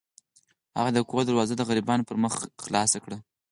هغه د کور دروازه د غریبانو پر مخ پرانیسته.